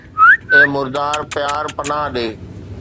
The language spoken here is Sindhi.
اي مردار پيار، پناهه ڏي